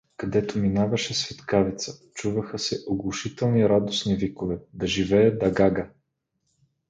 Където минаваше „Светкавица“, чуваха се оглушителни радостни викове: — Да живее Дагага!